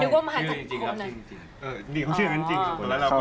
นี่เขาชื่อนั้นจริง